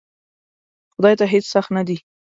خدای ته هیڅ سخت نه دی!